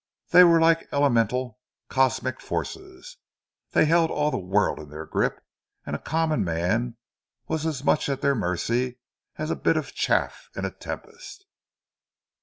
They were like elemental, cosmic forces; they held all the world in their grip, and a common man was as much at their mercy as a bit of chaff in a tempest.